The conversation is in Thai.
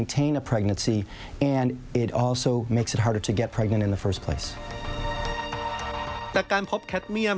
แต่การพบแคทเมี่ยม